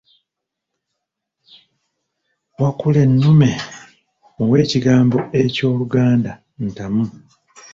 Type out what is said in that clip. Wakulennume muwe ekigambo eky'Oluganda ntamu.